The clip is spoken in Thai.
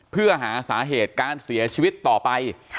เพื่อหาสาเหตุการเสียชีวิตต่อไป